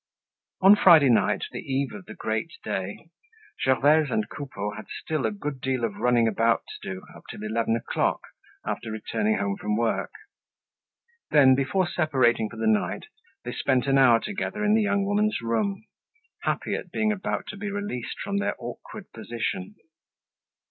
On Friday night, the eve of the great day, Gervaise and Coupeau had still a good deal of running about to do up till eleven o'clock, after returning home from work. Then before separating for the night they spent an hour together in the young woman's room, happy at being about to be released from their awkward position.